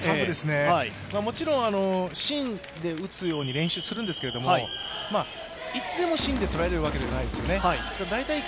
もちろん芯で打つように練習するんですけれども、いつでも芯で捉えられるわけではないですよね。